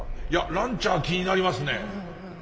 ランチャー気になりますね。